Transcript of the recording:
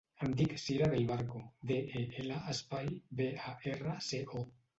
Em dic Sira Del Barco: de, e, ela, espai, be, a, erra, ce, o.